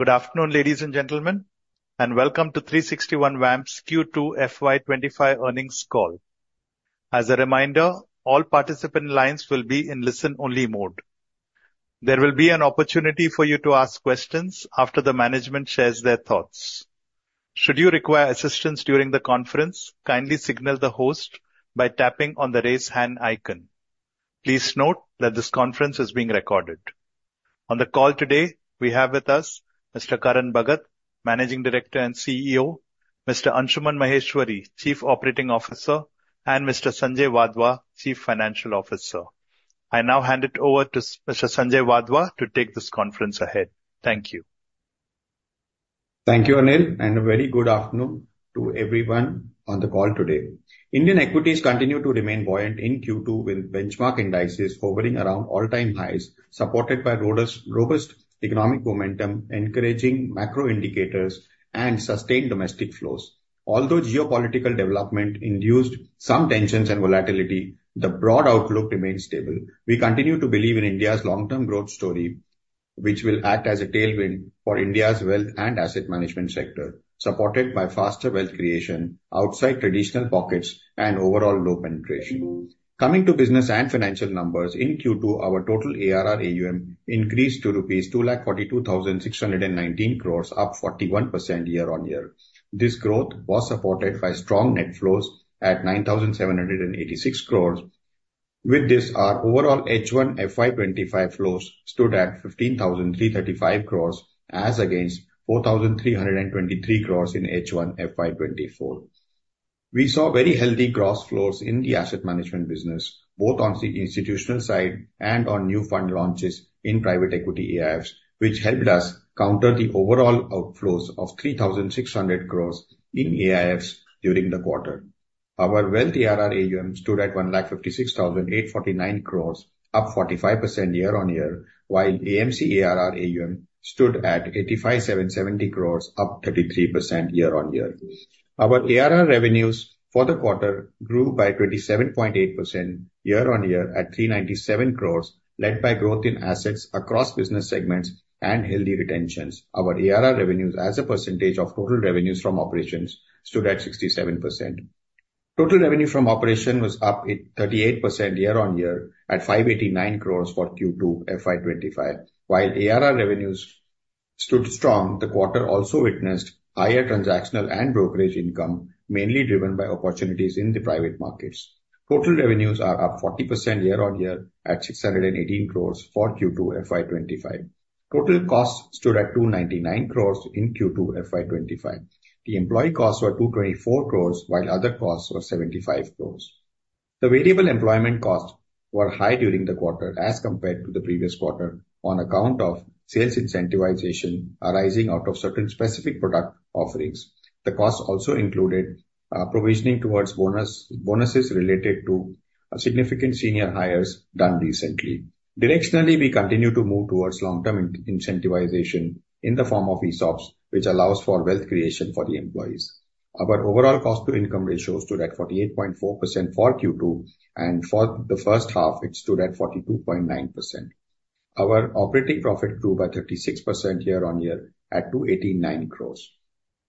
Good afternoon, ladies and gentlemen, and welcome to 360 ONE WAM Q2 FY 2025 Earnings Call. As a reminder, all participant lines will be in listen-only mode. There will be an opportunity for you to ask questions after the management shares their thoughts. Should you require assistance during the conference, kindly signal the host by tapping on the Raise Hand icon. Please note that this conference is being recorded. On the call today, we have with us Mr. Karan Bhagat, Managing Director and CEO, Mr. Anshuman Maheshwari, Chief Operating Officer, and Mr. Sanjay Wadhwa, Chief Financial Officer. I now hand it over to Mr. Sanjay Wadhwa to take this conference ahead. Thank you. Thank you, Anil, and a very good afternoon to everyone on the call today. Indian equities continue to remain buoyant in Q2, with benchmark indices hovering around all-time highs, supported by robust economic momentum, encouraging macro indicators, and sustained domestic flows. Although geopolitical development induced some tensions and volatility, the broad outlook remains stable. We continue to believe in India's long-term growth story, which will act as a tailwind for India's wealth and asset management sector, supported by faster wealth creation outside traditional pockets and overall low penetration. Coming to business and financial numbers, in Q2, our total ARR AUM increased to rupees 242,619 crores, up 41% year on year. This growth was supported by strong net flows at 9,786 crores. With this, our overall H1 FY 2025 flows stood at 15,335 crores, as against 4,323 crores in H1 FY 2024. We saw very healthy gross flows in the asset management business, both on the institutional side and on new fund launches in private equity AIFs, which helped us counter the overall outflows of 3,600 crores in AIFs during the quarter. Our wealth ARR AUM stood at 1,56,849 crores, up 45% year on year, while AMC ARR AUM stood at 85,770 crores, up 33% year on year. Our ARR revenues for the quarter grew by 27.8% year on year, at 397 crores, led by growth in assets across business segments and healthy retentions. Our ARR revenues as a percentage of total revenues from operations stood at 67%. Total revenue from operation was up at 38% year on year at 589 crores for Q2 FY 2025. While ARR revenues stood strong, the quarter also witnessed higher transactional and brokerage income, mainly driven by opportunities in the private markets. Total revenues are up 40% year on year at 618 crores for Q2 FY 2025. Total costs stood at 299 crores in Q2 FY 2025. The employee costs were 224 crores, while other costs were 75 crores. The variable employment costs were high during the quarter as compared to the previous quarter on account of sales incentivization arising out of certain specific product offerings. The costs also included, provisioning towards bonus, bonuses related to significant senior hires done recently. Directionally, we continue to move towards long-term in-incentivization in the form of ESOPs, which allows for wealth creation for the employees. Our overall cost-to-income ratio stood at 48.4% for Q2, and for the first half, it stood at 42.9%. Our operating profit grew by 36% year on year at 289 crores.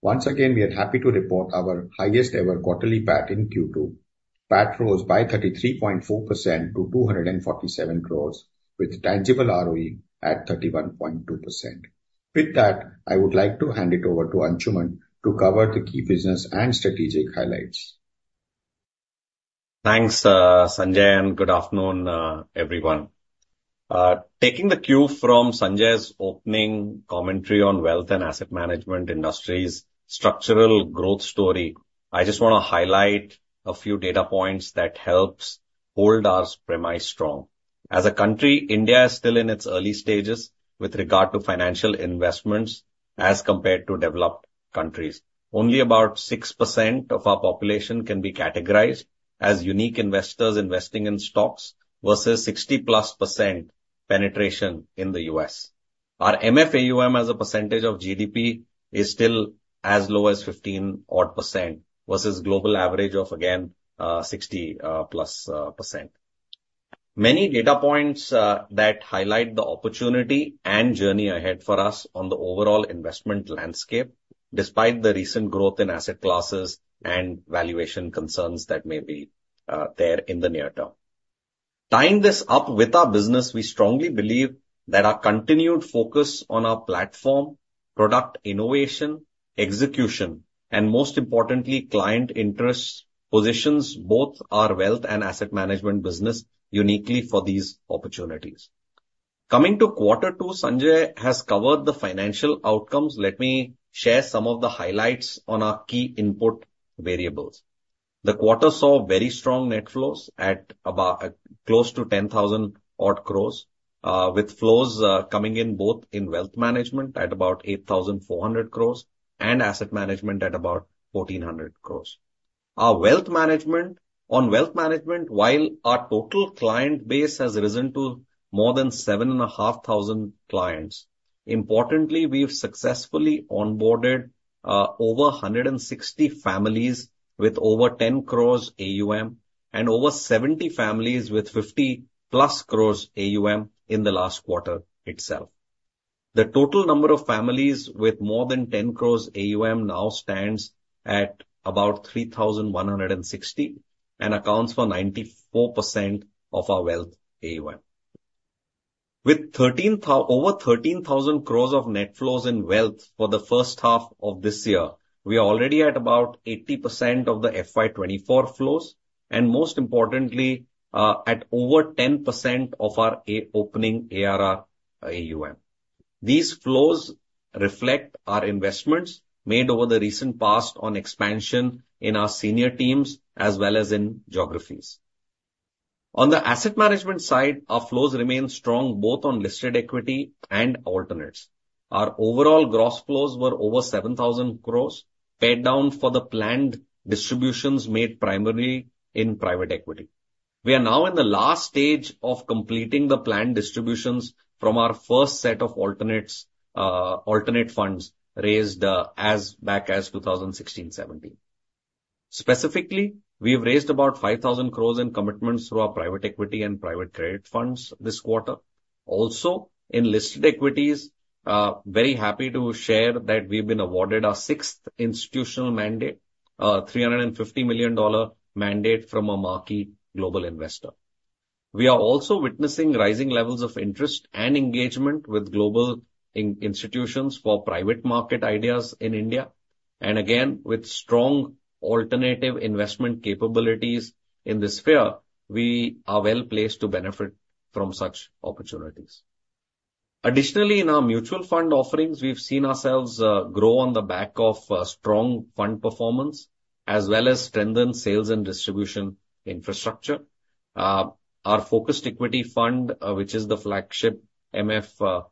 Once again, we are happy to report our highest ever quarterly PAT in Q2. PAT rose by 33.4% to 247 crores, with tangible ROE at 31.2%. With that, I would like to hand it over to Anshuman to cover the key business and strategic highlights. Thanks, Sanjay, and good afternoon, everyone. Taking the cue from Sanjay's opening commentary on wealth and asset management industry's structural growth story, I just wanna highlight a few data points that helps hold our premise strong. As a country, India is still in its early stages with regard to financial investments as compared to developed countries. Only about 6% of our population can be categorized as unique investors investing in stocks, versus 60%+ penetration in the U.S. Our MF AUM as a percentage of GDP is still as low as 15% odd, versus global average of, again, 60%+, percent. Many data points that highlight the opportunity and journey ahead for us on the overall investment landscape, despite the recent growth in asset classes and valuation concerns that may be there in the near term. Tying this up with our business, we strongly believe that our continued focus on our platform, product innovation, execution, and most importantly, client interests, positions both our wealth and asset management business uniquely for these opportunities. Coming to quarter two, Sanjay has covered the financial outcomes. Let me share some of the highlights on our key input variables. The quarter saw very strong net flows at about close to 10,000-odd crores with flows coming in both in wealth management at about 8,400 crores and asset management at about 1,400 crores. Our wealth management. On wealth management, while our total client base has risen to more than 7.5 thousand clients, importantly, we've successfully onboarded over 160 families with over 10 crores AUM... and over 70 families with 50-plus crores AUM in the last quarter itself. The total number of families with more than 10 crores AUM now stands at about 3,160, and accounts for 94% of our wealth AUM. With over 13,000 crores of net flows in wealth for the first half of this year, we are already at about 80% of the FY 2024 flows, and most importantly, at over 10% of our opening ARR AUM. These flows reflect our investments made over the recent past on expansion in our senior teams as well as in geographies. On the asset management side, our flows remain strong both on listed equity and alternates. Our overall gross flows were over 7,000 crores, paid down for the planned distributions made primarily in private equity. We are now in the last stage of completing the planned distributions from our first set of alternates, alternate funds raised, as far back as 2016, 2017. Specifically, we have raised about 5,000 crores in commitments through our private equity and private credit funds this quarter. Also, in listed equities, very happy to share that we've been awarded our sixth institutional mandate, $350 million mandate from a marquee global investor. We are also witnessing rising levels of interest and engagement with global institutions for private market ideas in India. And again, with strong alternative investment capabilities in this sphere, we are well placed to benefit from such opportunities. Additionally, in our mutual fund offerings, we've seen ourselves grow on the back of strong fund performance as well as strengthen sales and distribution infrastructure. Our Focused Equity Fund, which is the flagship MF,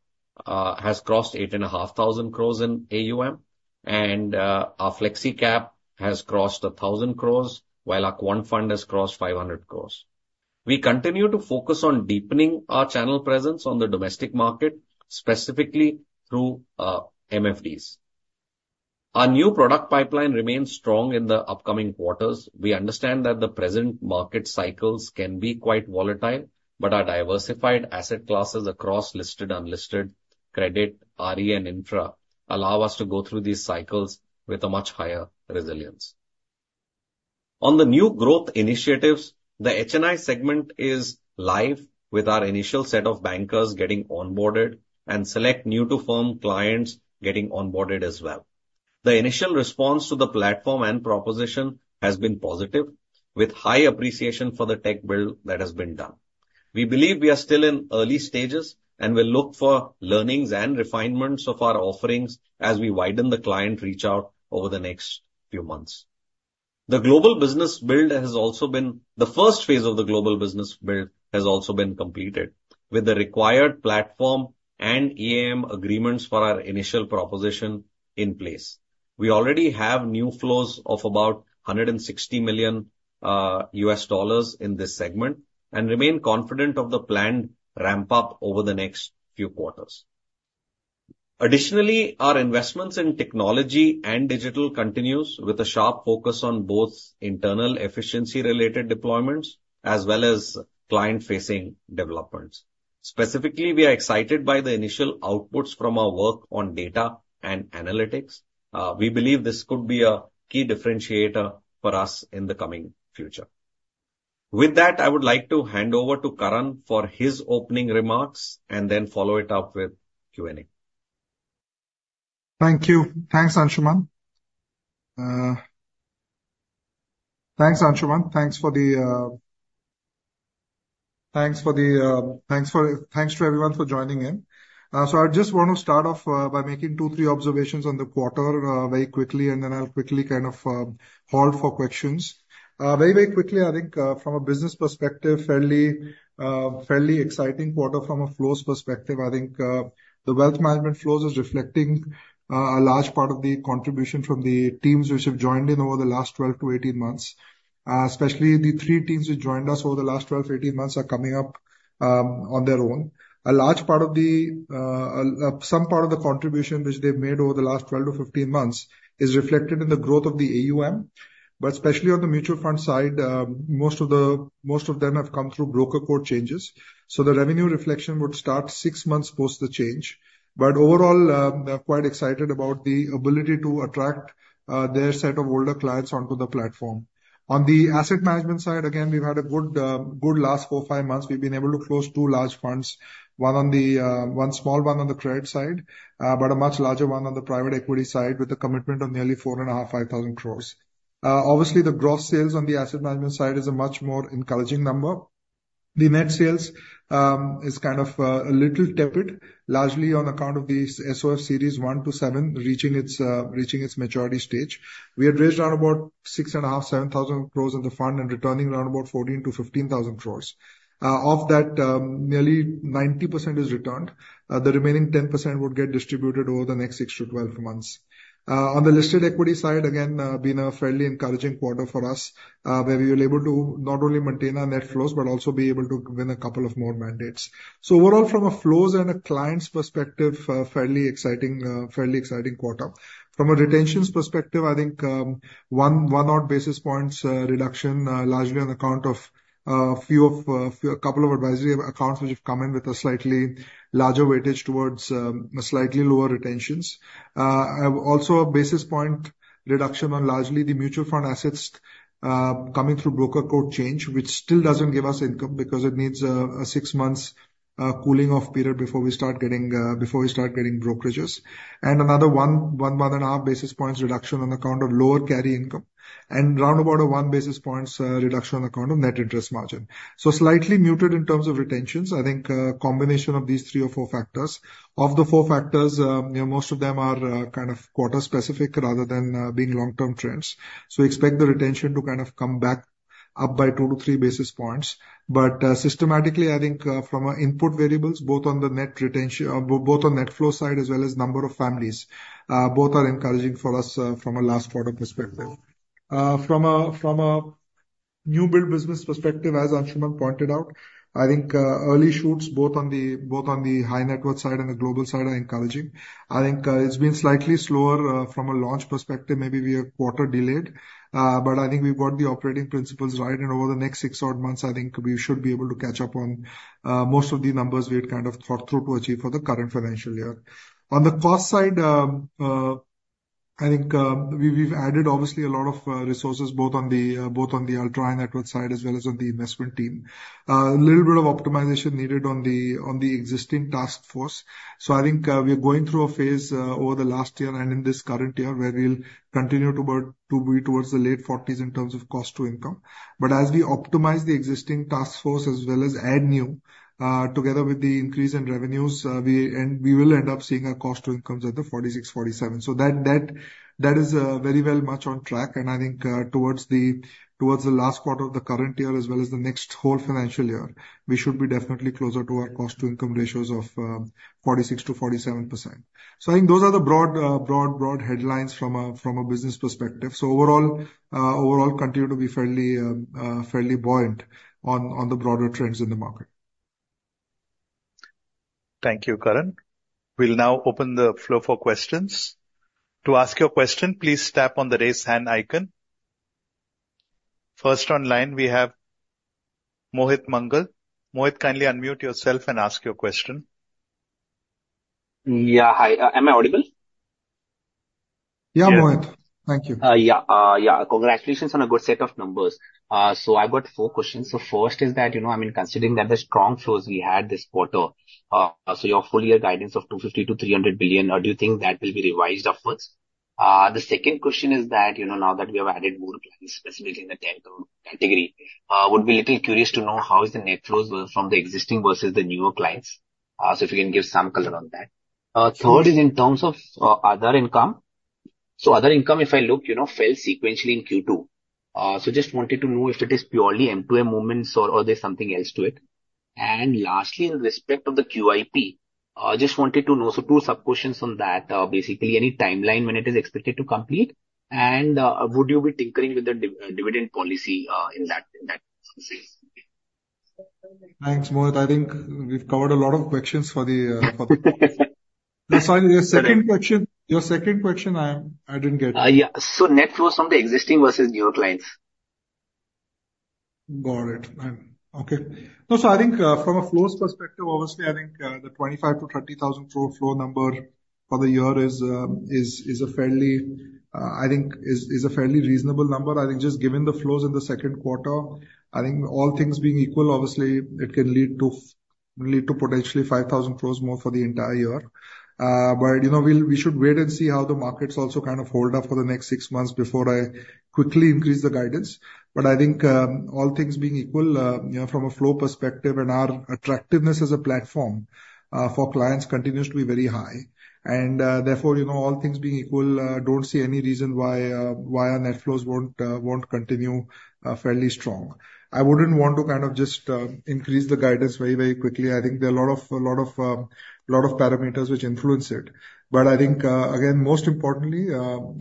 has crossed 8,500 crores in AUM, and our Flexi Cap has crossed 1,000 crores, while our Quant Fund has crossed 500 crores. We continue to focus on deepening our channel presence on the domestic market, specifically through MFDs. Our new product pipeline remains strong in the upcoming quarters. We understand that the present market cycles can be quite volatile, but our diversified asset classes across listed, unlisted, credit, RE, and infra allow us to go through these cycles with a much higher resilience. On the new growth initiatives, the HNI segment is live, with our initial set of bankers getting onboarded and select new-to-firm clients getting onboarded as well. The initial response to the platform and proposition has been positive, with high appreciation for the tech build that has been done. We believe we are still in early stages, and we'll look for learnings and refinements of our offerings as we widen the client reach out over the next few months. The first phase of the global business build has also been completed, with the required platform and EAM agreements for our initial proposition in place. We already have new flows of about $160 million in this segment, and remain confident of the planned ramp-up over the next few quarters. Additionally, our investments in technology and digital continues, with a sharp focus on both internal efficiency-related deployments as well as client-facing developments. Specifically, we are excited by the initial outputs from our work on data and analytics. We believe this could be a key differentiator for us in the coming future. With that, I would like to hand over to Karan for his opening remarks and then follow it up with Q&A. Thank you. Thanks, Anshuman. Thanks, Anshuman. Thanks to everyone for joining in, so I just want to start off by making two, three observations on the quarter very quickly, and then I'll quickly kind of hold for questions. Very, very quickly, I think from a business perspective, fairly exciting quarter from a flows perspective. I think the wealth management flows is reflecting a large part of the contribution from the teams which have joined in over the last 12-18 months, especially the three teams who joined us over the last 12-18 months are coming up on their own. A large part of some part of the contribution which they've made over the last 12-15 months is reflected in the growth of the AUM. But especially on the mutual fund side, most of them have come through broker code changes, so the revenue reflection would start six months post the change. But overall, they're quite excited about the ability to attract their set of older clients onto the platform. On the asset management side, again, we've had a good last four to five months. We've been able to close two large funds, one small one on the credit side, but a much larger one on the private equity side, with a commitment of nearly 4,500 crores-5,000 crores. Obviously, the gross sales on the asset management side is a much more encouraging number. The net sales is kind of a little tepid, largely on account of the SOF series one to seven reaching its maturity stage. We had raised around 6.5 thousand crores - 7 thousand crores in the fund and returning around 14 thousand crores-15 thousand crores. Of that, nearly 90% is returned. The remaining 10% would get distributed over the next six to 12 months. On the listed equity side, again, been a fairly encouraging quarter for us, where we were able to not only maintain our net flows, but also be able to win a couple of more mandates. So overall, from a flows and a client's perspective, fairly exciting quarter. From a retentions perspective, I think one odd basis points reduction largely on account of a couple of advisory accounts which have come in with a slightly larger weightage towards slightly lower retentions. I have also a basis point reduction on largely the mutual fund assets coming through broker code change, which still doesn't give us income because it needs a six-month cooling-off period before we start getting brokerages, and another one and a half basis points reduction on account of lower carry income, and round about a one basis points reduction on account of net interest margin, so slightly muted in terms of retentions. I think combination of these three or four factors. Of the four factors, you know, most of them are kind of quarter specific rather than being long-term trends. So expect the retention to kind of come back up by two to three basis points. But systematically, I think from input variables, both on the net retention, both on net flow side, as well as number of families, both are encouraging for us from a last quarter perspective. From a new build business perspective, as Anshuman pointed out, I think early shoots, both on the high net worth side and the global side are encouraging. I think it's been slightly slower from a launch perspective. Maybe we are quarter delayed, but I think we've got the operating principles right, and over the next six odd months, I think we should be able to catch up on most of the numbers we had kind of thought through to achieve for the current financial year. On the cost side, I think we've added obviously a lot of resources, both on the ultra high net worth side as well as on the investment team. Little bit of optimization needed on the existing task force. I think we are going through a phase over the last year and in this current year, where we'll continue to work to be towards the late 40% in terms of cost to income. But as we optimize the existing task force as well as add new, together with the increase in revenues, we will end up seeing a cost to income at the 46%-47%. So that is very much on track, and I think, towards the last quarter of the current year, as well as the next whole financial year, we should be definitely closer to our cost to income ratios of 46%-47%. So I think those are the broad headlines from a business perspective. So overall continue to be fairly buoyant on the broader trends in the market. Thank you, Karan. We'll now open the floor for questions. To ask your question, please tap on the Raise Hand icon. First on line, we have Mohit Mangal. Mohit, kindly unmute yourself and ask your question. Yeah. Hi, am I audible? Yeah, Mohit. Thank you. Congratulations on a good set of numbers. So I've got four questions. So first is that, you know, I mean, considering that the strong flows we had this quarter, so your full year guidance of 250-300 billion, do you think that will be revised upwards? The second question is that, you know, now that we have added more clients, specifically in the category, would be a little curious to know how is the net flows from the existing versus the newer clients? So if you can give some color on that. Sure. Third is in terms of other income. So other income, if I look, you know, fell sequentially in Q2. So just wanted to know if it is purely M&A movements or there's something else to it. And lastly, in respect of the QIP, just wanted to know, so two sub-questions on that. Basically, any timeline when it is expected to complete, and would you be tinkering with the dividend policy, in that space? Thanks, Mohit. I think we've covered a lot of questions. Sorry, your second question, I didn't get. Yeah. So net flows from the existing versus newer clients. Got it. Okay. No, so I think, from a flows perspective, obviously, I think, the 25-30 thousand flow number for the year is a fairly reasonable number. I think just given the flows in the second quarter, I think all things being equal, obviously, it can lead to potentially 5,000 crores more for the entire year. But, you know, we'll, we should wait and see how the markets also kind of hold up for the next six months before I quickly increase the guidance. But I think, all things being equal, you know, from a flow perspective and our attractiveness as a platform, for clients continues to be very high. Therefore, you know, all things being equal, I don't see any reason why our net flows won't continue fairly strong. I wouldn't want to kind of just increase the guidance very quickly. I think there are a lot of parameters which influence it. I think, again, most importantly,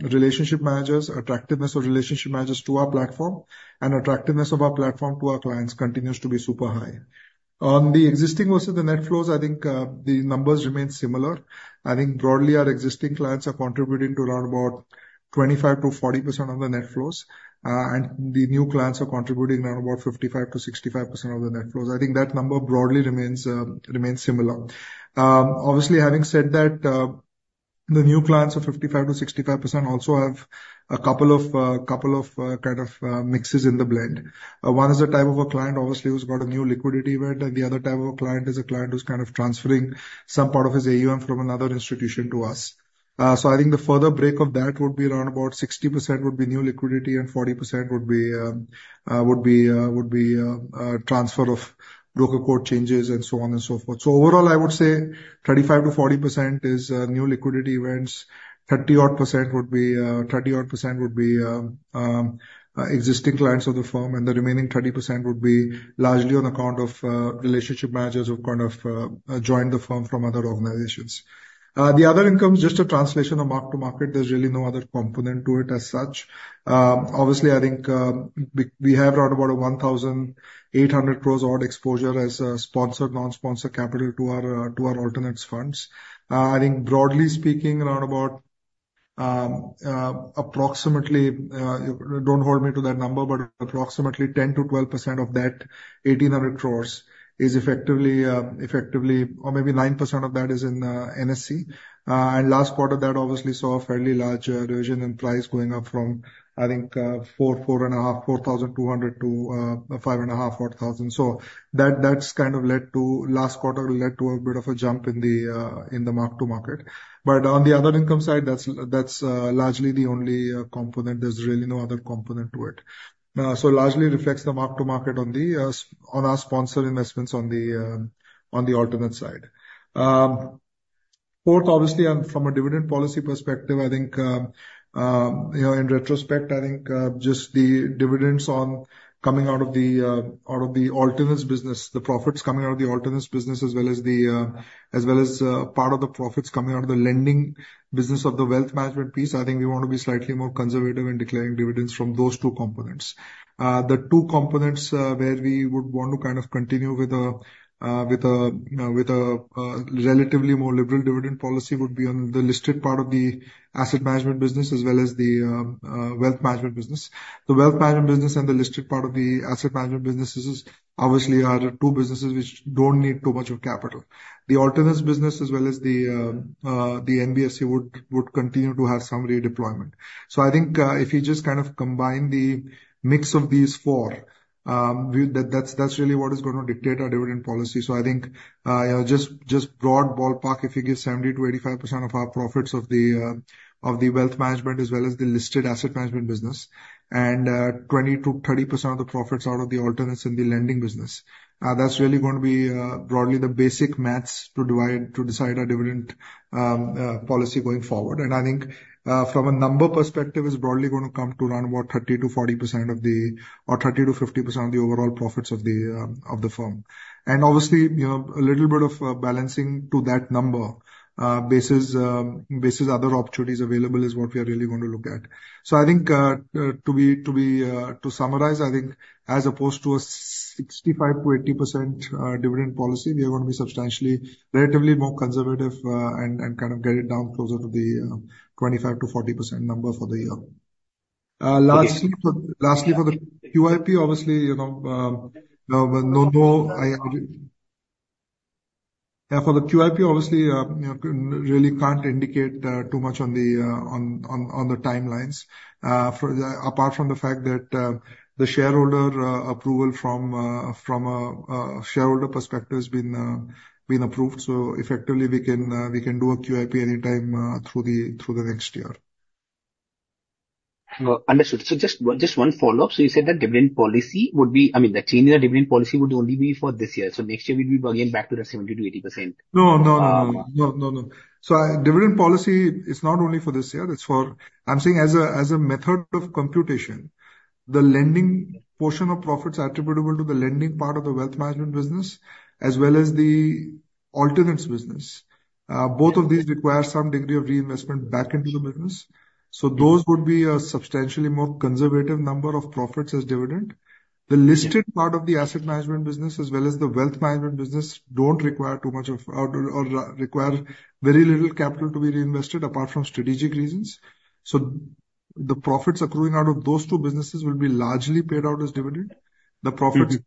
relationship managers, attractiveness of relationship managers to our platform and attractiveness of our platform to our clients continues to be super high. On the existing versus the net flows, I think the numbers remain similar. I think broadly, our existing clients are contributing to around about 25%-40% of the net flows, and the new clients are contributing around about 55%-65% of the net flows. I think that number broadly remains similar. Obviously, having said that, the new clients of 55-65% also have a couple of kind of mixes in the blend. One is a type of a client, obviously, who's got a new liquidity event, and the other type of a client is a client who's kind of transferring some part of his AUM from another institution to us. So I think the further break of that would be around about 60% would be new liquidity and 40% would be a transfer of broker code changes and so on and so forth. So overall, I would say 35%-40% is new liquidity events, 30-odd% would be existing clients of the firm, and the remaining 30% would be largely on account of relationship managers who kind of joined the firm from other organizations. The other income is just a translation of mark-to-market. There's really no other component to it as such. Obviously, I think we have around about 1,800 crores-odd exposure as a sponsor, non-sponsor capital to our alternate funds. I think broadly speaking, around about approximately, don't hold me to that number, but approximately 10%-12% of that 1,800 crores is effectively, or maybe 9% of that is in NSE. And last quarter, that obviously saw a fairly large revision in price going up from, I think, 4,200 crores-5,500 crores. So that's kind of led to, last quarter, a bit of a jump in the mark to market. But on the other income side, that's largely the only component. There's really no other component to it. So largely reflects the mark to market on our sponsor investments on the alternative side. Fourth, obviously, and from a dividend policy perspective, I think, you know, in retrospect, I think just the dividends on coming out of the alternatives business, the profits coming out of the alternatives business, as well as part of the profits coming out of the lending business of the wealth management piece, I think we want to be slightly more conservative in declaring dividends from those two components. The two components where we would want to kind of continue with a relatively more liberal dividend policy would be on the listed part of the asset management business as well as the wealth management business. The wealth management business and the listed part of the asset management businesses, obviously, are two businesses which don't need too much of capital. The alternates business as well as the NBSC would continue to have some redeployment. So I think, if you just kind of combine the mix of these four, that's really what is going to dictate our dividend policy. So I think, you know, just broad ballpark, if you give 70%-85% of our profits of the wealth management as well as the listed asset management business, and twenty to thirty percent of the profits out of the alternates in the lending business, that's really going to be broadly the basic maths to decide our dividend policy going forward. I think from a number perspective, it's broadly going to come to around 30%-40% of the or 30%-50% of the overall profits of the firm. And obviously, you know, a little bit of balancing to that number basis other opportunities available is what we are really going to look at. I think to summarize, I think as opposed to a 65%-80% dividend policy, we are going to be substantially, relatively more conservative and kind of get it down closer to the 25%-40% number for the year. Lastly, for the QIP, obviously, you know, really can't indicate too much on the timelines. Apart from the fact that the shareholder approval from a shareholder perspective has been approved. So effectively, we can do a QIP anytime through the next year. Understood. So just one follow-up. So you said that dividend policy would be, I mean, the change in the dividend policy would only be for this year. So next year, we'll be again back to the 70%-80%? No, no, no, no, no, no. So our dividend policy is not only for this year, it's for... I'm saying as a method of computation, the lending portion of profits attributable to the lending part of the wealth management business, as well as the alternatives business, both of these require some degree of reinvestment back into the business. So those would be a substantially more conservative number of profits as dividend. Yeah. The listed part of the asset management business, as well as the wealth management business, don't require too much of... or require very little capital to be reinvested, apart from strategic reasons. So the profits accruing out of those two businesses will be largely paid out as dividend. Yes.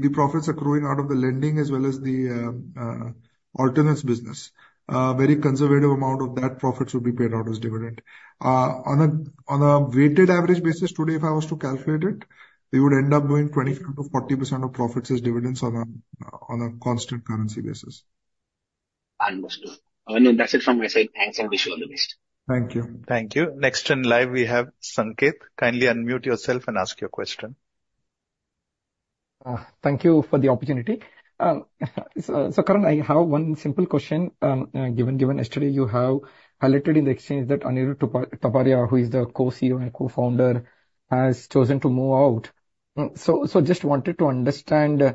The profits accruing out of the lending as well as the alternates business, very conservative amount of that profits will be paid out as dividend. On a weighted average basis, today, if I was to calculate it, we would end up doing 25%-40% of profits as dividends on a constant currency basis. Understood. No, that's it from my side. Thanks, and wish you all the best. Thank you. Thank you. Next in line, we have Sanket. Kindly unmute yourself and ask your question. Thank you for the opportunity. So Karan, I have one simple question. Given yesterday, you have highlighted in the exchange that Anirudh Taparia, who is the Co-CEO and Co-Founder, has chosen to move out. So just wanted to understand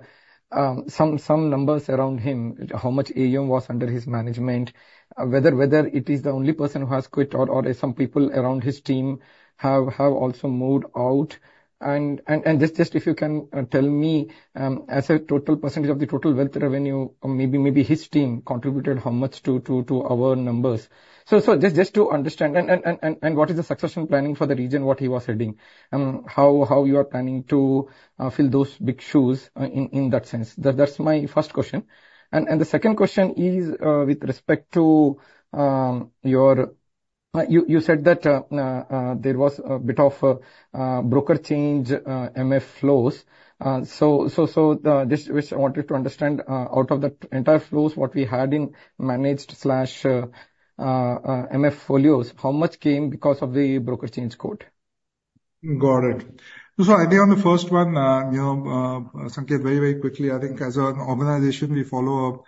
some numbers around him. How much AUM was under his management? Whether it is the only person who has quit or some people around his team have also moved out? And just if you can tell me as a total percentage of the total wealth revenue, or maybe his team contributed how much to our numbers. So just to understand, and what is the succession planning for the region what he was heading? How you are planning to fill those big shoes in that sense? That's my first question. And the second question is, with respect to your- You said that there was a bit of broker change MF flows. So, this which I wanted to understand, out of that entire flows, what we had in managed slash MF folios, how much came because of the broker change code? Got it. So I think on the first one, you know, Sanket, very, very quickly, I think as an organization, we follow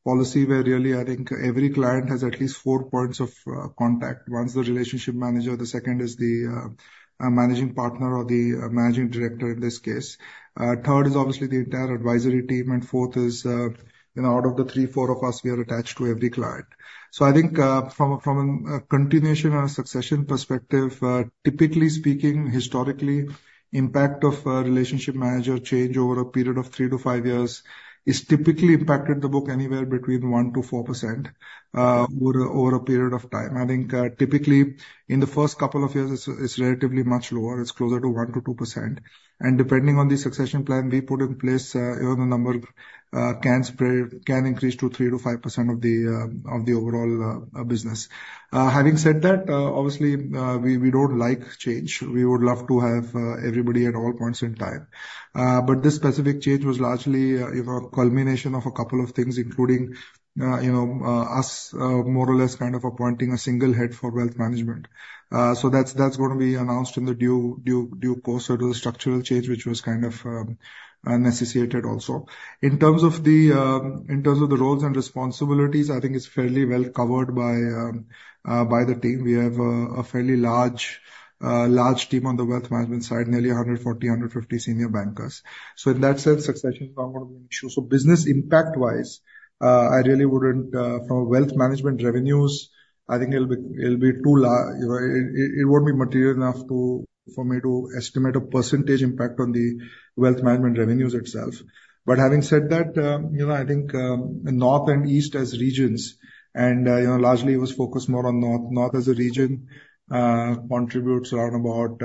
a policy where really, I think every client has at least four points of contact. One's the relationship manager, the second is the managing partner or the managing director in this case. Third is obviously the entire advisory team, and fourth is, you know, out of the three, four of us, we are attached to every client. So I think from a continuation and a succession perspective, typically speaking, historically, impact of a relationship manager change over a period of three to five years is typically impacted the book anywhere between 1%-4% over a period of time. I think, typically in the first couple of years, it's relatively much lower. It's closer to 1%-2%. And depending on the succession plan we put in place, you know, the number can increase to 3%-5% of the overall business. Having said that, obviously, we don't like change. We would love to have everybody at all points in time. But this specific change was largely you know, culmination of a couple of things, including you know, us more or less kind of appointing a single head for wealth management. So that's going to be announced in due course or the structural change, which was kind of necessitated also. In terms of the roles and responsibilities, I think it's fairly well covered by the team. We have a fairly large team on the Wealth Management side, nearly 140-150 senior bankers, so in that sense, succession is not going to be an issue, so business impact wise, I really wouldn't from a Wealth Management revenues, I think it won't be material enough for me to estimate a percentage impact on the Wealth Management revenues itself, but having said that, you know, I think North and East as regions, and you know, largely it was focused more on North. North as a region contributes around about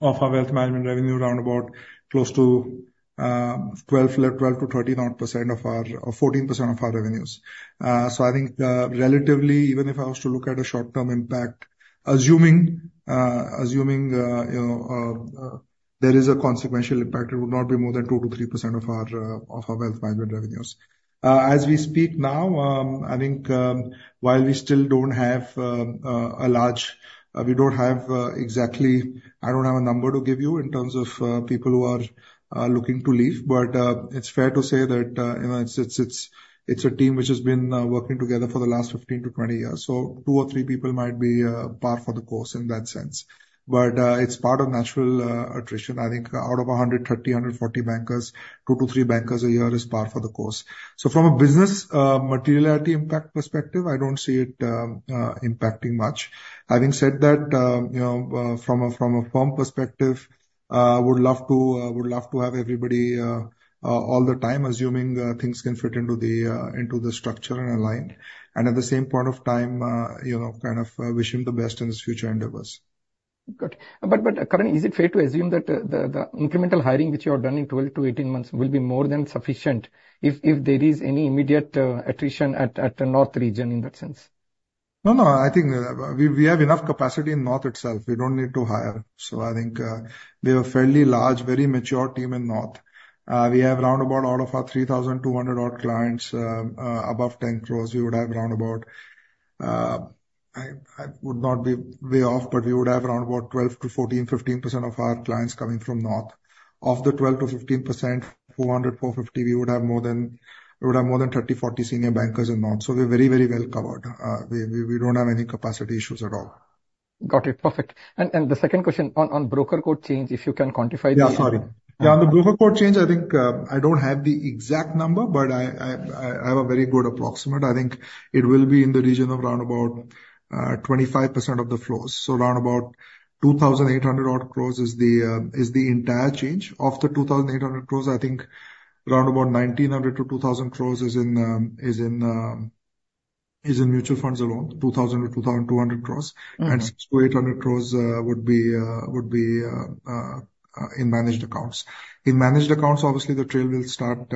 of our wealth management revenue, around about close to 12-13% odd of our or 14% of our revenues. So I think relatively, even if I was to look at a short-term impact, assuming you know there is a consequential impact, it would not be more than 2-3% of our of our wealth management revenues. As we speak now I think while we still don't have a large we don't have exactly I don't have a number to give you in terms of people who are looking to leave. But, it's fair to say that, you know, it's a team which has been working together for the last fifteen to twenty years, so two or three people might be par for the course in that sense. But, it's part of natural attrition. I think out of a hundred and thirty, hundred and forty bankers, two to three bankers a year is par for the course. So from a business materiality impact perspective, I don't see it impacting much. Having said that, you know, from a firm perspective, would love to have everybody all the time, assuming things can fit into the structure and align. At the same point of time, you know, kind of, wishing the best in his future endeavors. Good. But, but Karan, is it fair to assume that the incremental hiring, which you have done in 12 to 18 months, will be more than sufficient if there is any immediate attrition at the North region in that sense? No, no, I think we have enough capacity in North itself. We don't need to hire. So I think we have a fairly large, very mature team in North. We have around about all of our 3,200-odd clients above 10 crores. We would have around about. I would not be way off, but we would have around about 12-15% of our clients coming from North. Of the 12-15%, 400-450, we would have more than 30-40 senior bankers in North. So we're very, very well covered. We don't have any capacity issues at all. Got it. Perfect. And the second question on broker code change, if you can quantify the- Yeah, sorry. Yeah, on the broker code change, I think I don't have the exact number, but I have a very good approximate. I think it will be in the region of around about 25% of the flows. So around about 2,800 odd crores is the entire change. Of the 2,800 crores, I think around about 1,900 crores- 2,000 crores is in mutual funds alone, 2,000 crores-2,200 crores. Mm-hmm. 600 crores-800 crores would be in managed accounts. In managed accounts, obviously, the trail will start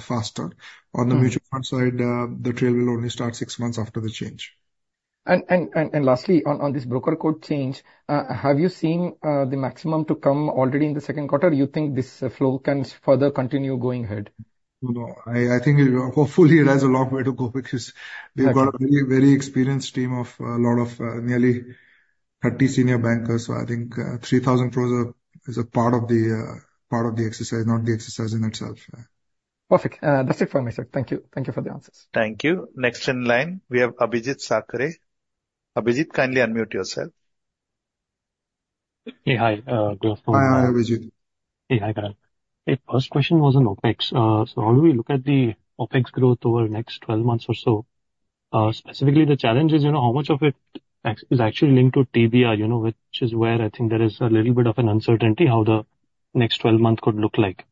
faster. Mm. On the mutual fund side, the trail will only start six months after the change. Lastly, on this broker code change, have you seen the maximum to come already in the second quarter? Do you think this flow can further continue going ahead? No, I think it... Hopefully, it has a long way to go, because- Got it. We've got a very, very experienced team of a lot of nearly thirty senior bankers. So I think three thousand crores is a part of the exercise, not the exercise in itself. Perfect. That's it for me, sir. Thank you. Thank you for the answers. Thank you. Next in line, we have Abhijit Sakhare. Abhijit, kindly unmute yourself. Hey, hi, good afternoon. Hi, Abhijit. Hey, hi, Karan. Hey, first question was on OpEx. So how do we look at the OpEx growth over the next twelve months or so? Specifically, the challenge is, you know, how much of it is actually linked to TBR, you know, which is where I think there is a little bit of an uncertainty how the next twelve months could look like.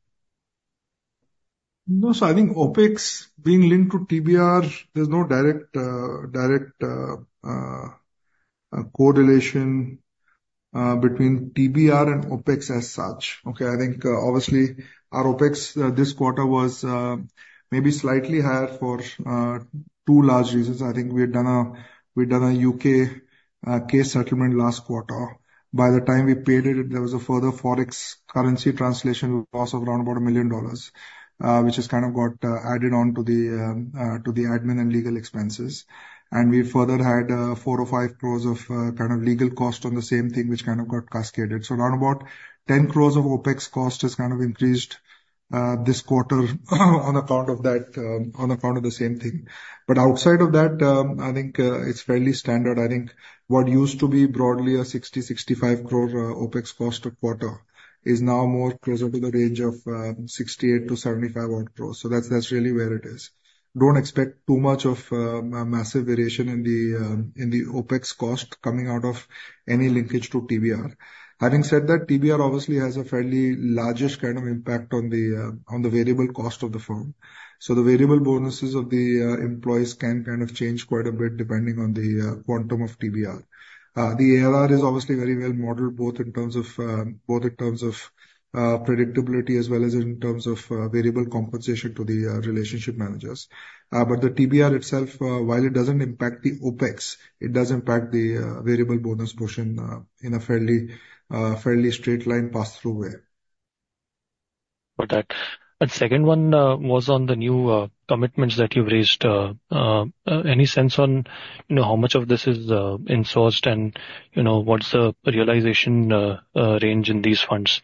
No, so I think OpEx being linked to TBR, there's no direct correlation between TBR and OpEx as such, okay? I think, obviously, our OpEx this quarter was maybe slightly higher for two large reasons. I think we'd done a U.K. case settlement last quarter. By the time we paid it, there was a further Forex currency translation loss of around about $1 million, which kind of got added on to the admin and legal expenses. And we further had 4 or 5 crores of kind of legal costs on the same thing, which kind of got cascaded. So around about 10 crores of OpEx cost is kind of increased this quarter on account of that, on account of the same thing. But outside of that, I think, it's fairly standard. I think what used to be broadly a 60-65 crore OpEx cost a quarter is now more closer to the range of, 68 crores- 75 odd crores. So that's, that's really where it is. Don't expect too much of, massive variation in the OpEx cost coming out of any linkage to TBR. Having said that, TBR obviously has a fairly largest kind of impact on the variable cost of the firm. So the variable bonuses of the employees can kind of change quite a bit depending on the quantum of TBR. The AR is obviously very well modeled, both in terms of predictability as well as in terms of variable compensation to the relationship managers. But the TBR itself, while it doesn't impact the OpEx, it does impact the variable bonus portion, in a fairly straight line pass-through way. Got that. And second one was on the new commitments that you've raised. Any sense on, you know, how much of this is insourced, and, you know, what's the realization range in these funds?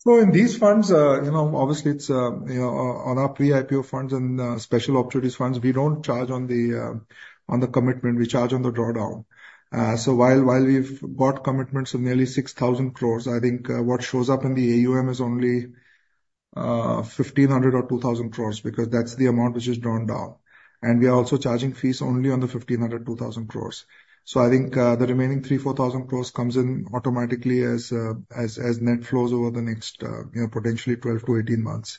So in these funds, you know, obviously, it's you know, on our pre-IPO funds and special opportunities funds, we don't charge on the on the commitment, we charge on the drawdown. So while we've got commitments of nearly 6,000 crores, I think what shows up in the AUM is only 1,500 or 2,000 crores, because that's the amount which is drawn down. And we are also charging fees only on the 1,500 crores-2,000 crores. So I think the remaining 3,000 crores-4,000 crores comes in automatically as net flows over the next you know, potentially 12-18 months.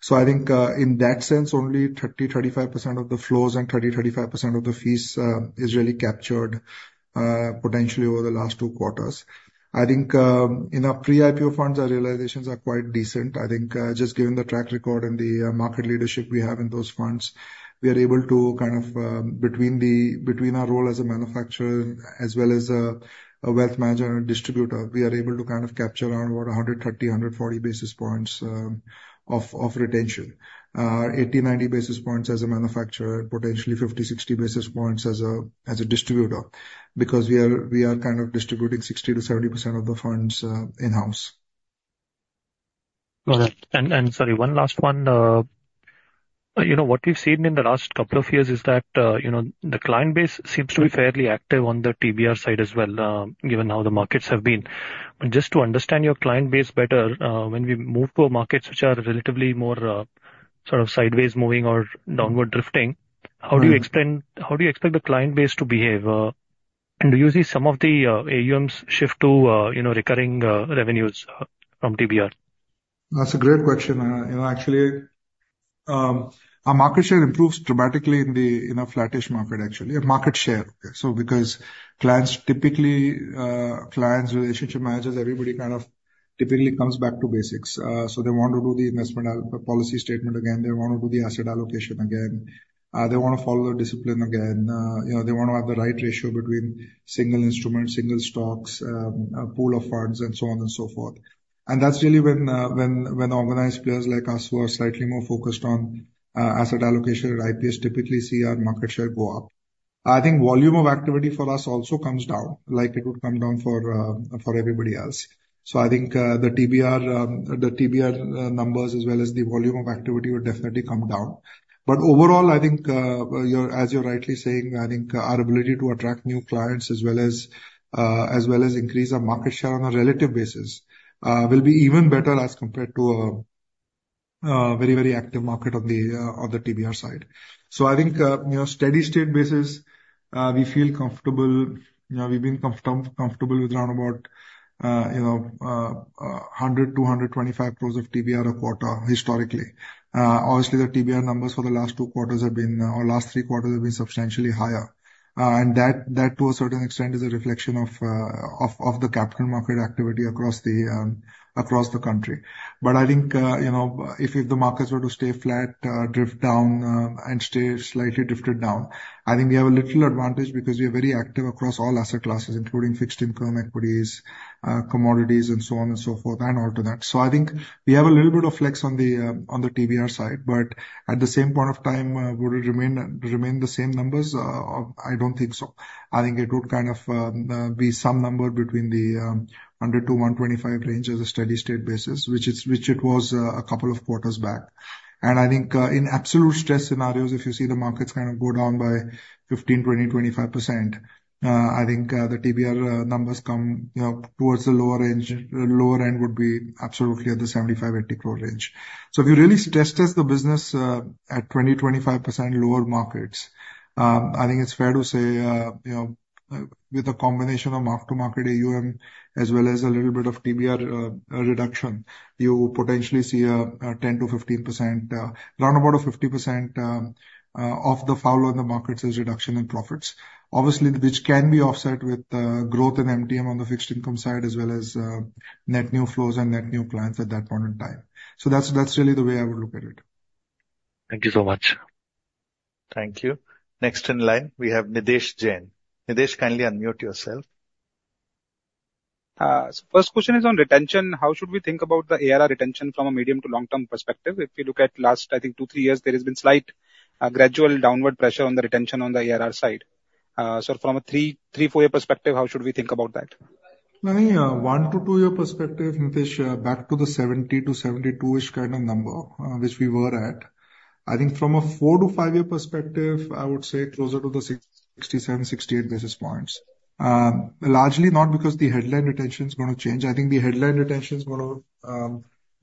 So I think in that sense, only 30-35% of the flows and 30-35% of the fees is really captured potentially over the last two quarters. I think, in our pre-IPO funds, our realizations are quite decent. I think, just given the track record and the market leadership we have in those funds, we are able to kind of between between our role as a manufacturer as well as a wealth manager and a distributor, we are able to kind of capture around about 130-140 basis points of retention. 80-90 basis points as a manufacturer, potentially 50-60 basis points as a distributor, because we are kind of distributing 60%-70% of the funds in-house. Got that. And sorry, one last one, you know, what we've seen in the last couple of years is that, you know, the client base seems to be fairly active on the TBR side as well, given how the markets have been. Just to understand your client base better, when we move to markets which are relatively more, sort of sideways moving or downward drifting- Mm-hmm. How do you expect the client base to behave? And do you see some of the AUMs shift to, you know, recurring revenues from TBR? That's a great question. You know, actually, our market share improves dramatically in a flattish market, actually, our market share. So because clients typically, clients, relationship managers, everybody kind of typically comes back to basics. So they want to do the investment policy statement again, they want to do the asset allocation again, they want to follow the discipline again, you know, they want to have the right ratio between single instrument, single stocks, a pool of funds, and so on and so forth. And that's really when, when organized players like us, who are slightly more focused on asset allocation at IPS, typically see our market share go up. I think volume of activity for us also comes down, like it would come down for everybody else. So I think, the TBR numbers as well as the volume of activity will definitely come down. But overall, I think, you're as you're rightly saying, I think our ability to attract new clients as well as increase our market share on a relative basis will be even better as compared to a very, very active market on the TBR side. So I think, you know, steady state basis, we feel comfortable, we've been comfortable with around about, you know, INR 100crores -125 crores of TBR a quarter, historically. Obviously, the TBR numbers for the last two quarters have been, or last three quarters have been substantially higher. And that to a certain extent is a reflection of the capital market activity across the country. But I think, you know, if the markets were to stay flat, drift down, and stay slightly drifted down, I think we have a little advantage because we are very active across all asset classes, including fixed income, equities, commodities, and so on and so forth, and all to that. So I think we have a little bit of flex on the TBR side, but at the same point of time, would it remain the same numbers? I don't think so. I think it would kind of be some number between the 100-125 range as a steady state basis, which it was a couple of quarters back, and I think in absolute stress scenarios, if you see the markets kind of go down by 15, 20, 25%, I think the TBR numbers come, you know, towards the lower range. Lower end would be absolutely at the 75 crore-80 crore range. So if you really stress test the business at 20%-25% lower markets, I think it's fair to say, you know-... With a combination of mark-to-market AUM, as well as a little bit of TBR reduction, you potentially see a 10%-15%, round about a 50% of the fall on the markets is reduction in profits. Obviously, which can be offset with growth in MTM on the fixed income side, as well as net new flows and net new clients at that point in time. So that's really the way I would look at it. Thank you so much. Thank you. Next in line, we have Nidesh Jain. Nidesh, kindly unmute yourself. So first question is on retention. How should we think about the ARR retention from a medium to long-term perspective? If you look at last, I think two, three years, there has been slight, gradual downward pressure on the retention on the ARR side. So from a three- to four-year perspective, how should we think about that? I think, one to two-year perspective, Nidesh, back to the 70-72-ish kind of number, which we were at. I think from a four to five-year perspective, I would say closer to the 67, 68 basis points. Largely not because the headline retention is gonna change. I think the headline retention is gonna,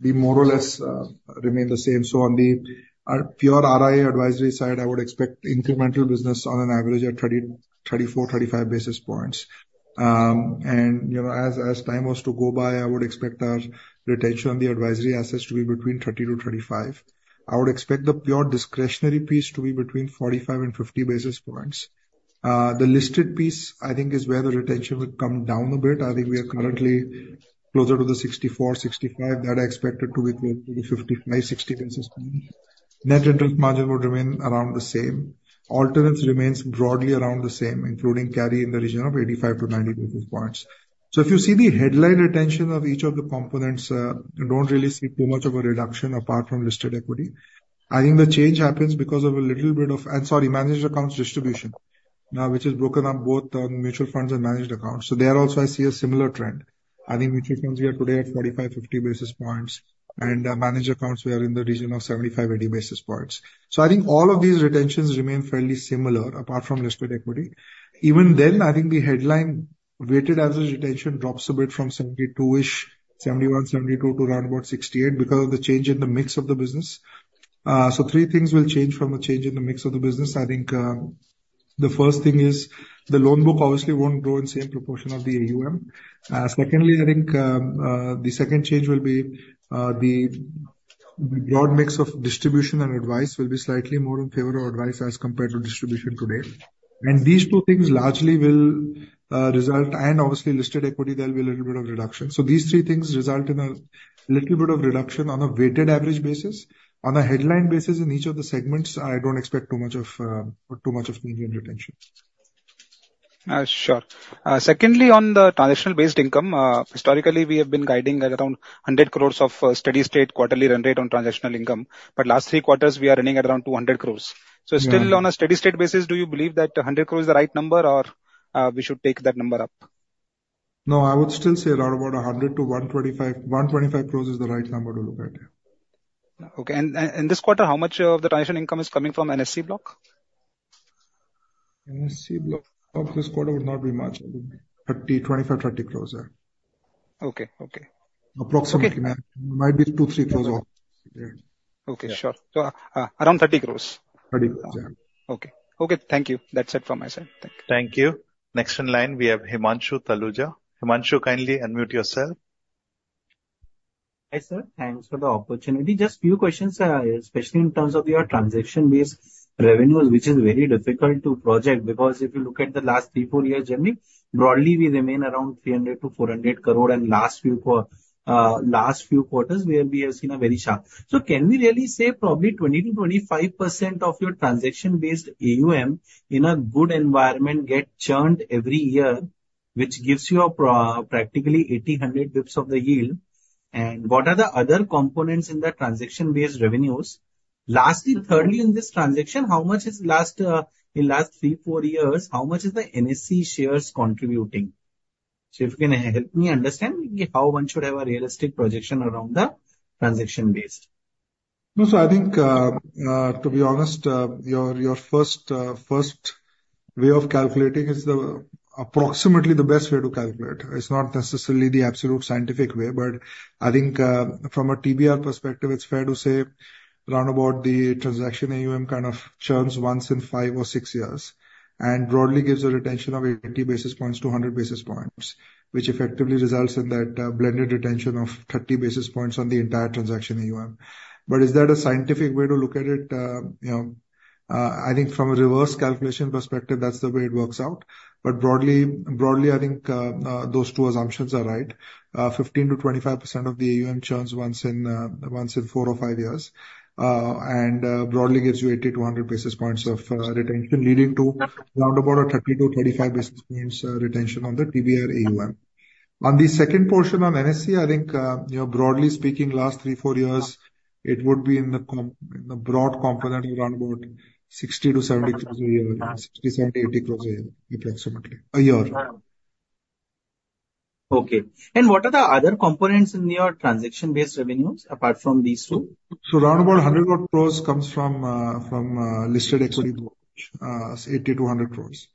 be more or less, remain the same. So on the, pure RIA advisory side, I would expect incremental business on an average of thirty, thirty-four, thirty-five basis points. And, you know, as, as time was to go by, I would expect our retention on the advisory assets to be between 30%-35%. I would expect the pure discretionary piece to be between 45 and 50 basis points. The listed piece, I think, is where the retention would come down a bit. I think we are currently closer to the 64, 65, that I expect it to be between 56%-60%. Net interest margin would remain around the same. Alternatives remains broadly around the same, including carry in the region of 85-90 basis points. So if you see the headline retention of each of the components, you don't really see too much of a reduction apart from listed equity. I think the change happens because of a little bit of... Sorry, managed accounts distribution, now, which is broken down both on mutual funds and managed accounts. So there also I see a similar trend. I think mutual funds, we are today at 45-50 basis points, and managed accounts, we are in the region of 75-80 basis points. So I think all of these retentions remain fairly similar, apart from listed equity. Even then, I think the headline weighted as the retention drops a bit from 72-ish, 71, 72 to around about 68 because of the change in the mix of the business. So three things will change from the change in the mix of the business. I think the first thing is the loan book obviously won't grow in same proportion of the AUM. Secondly, I think the second change will be the broad mix of distribution and advice will be slightly more in favor of advice as compared to distribution today. And these two things largely will result, and obviously, listed equity, there will be a little bit of reduction. So these three things result in a little bit of reduction on a weighted average basis. On a headline basis, in each of the segments, I don't expect too much of median retention. Sure. Secondly, on the transactional-based income, historically, we have been guiding at around INR 100 crore of steady-state quarterly run rate on transactional income, but last three quarters, we are running at around INR 200 crore. Yeah. So still on a steady-state basis, do you believe that the INR 100 crores is the right number or we should take that number up? No, I would still say around about 100 crores-125 crores, 125 crores is the right number to look at, yeah. Okay. This quarter, how much of the transition income is coming from the NSE block? NSE block of this quarter would not be much. 25 crores-30 crores, yeah. Okay, okay. Approximately might be INR 2 crore- 3 crore off. Yeah. Okay, sure. Yeah. Around 30 crores? 30 crores, yeah. Okay. Okay, thank you. That's it from my side. Thank you. Thank you. Next in line, we have Himanshu Taluja. Himanshu, kindly unmute yourself. Hi, sir. Thanks for the opportunity. Just few questions, especially in terms of your transaction-based revenues, which is very difficult to project, because if you look at the last three to four years journey, broadly, we remain around 300 crore-400 crore, and last few quarters, we have seen a very sharp. So can we really say probably 20%-25% of your transaction-based AUM in a good environment get churned every year, which gives you practically 80-100 basis points of the yield? And what are the other components in the transaction-based revenues? Lastly, thirdly, in this transaction, how much is last, in last three to four years, how much is the NSE shares contributing? So if you can help me understand how one should have a realistic projection around the transaction-based. No, so I think, to be honest, your first way of calculating is approximately the best way to calculate. It's not necessarily the absolute scientific way, but I think, from a TBR perspective, it's fair to say around about the transaction AUM kind of churns once in five or six years, and broadly gives a retention of 80-100 basis points, which effectively results in that, blended retention of 30 basis points on the entire transaction AUM. But is that a scientific way to look at it? You know, I think from a reverse calculation perspective, that's the way it works out. But broadly, I think, those two assumptions are right. 15%-25% of the AUM churns once in four or five years and broadly gives you 80-100 basis points of retention leading to round about a 30-35 basis points retention on the TBR AUM. On the second portion on NSE, I think, you know, broadly speaking, last three, four years, it would be in the broad component, around about 60 crores-70 crores a year, 60, 70, 80 crores a year, approximately a year. Okay. And what are the other components in your transaction-based revenues, apart from these two? So around about 100 crores comes from listed equity, 80 crores- 100 crores.